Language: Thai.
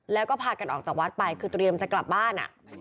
แล้วก็พากันออกจากวัดไปคือเตรียมจะกลับบ้าน